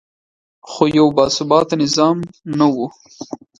خو یو باثباته نظام نه و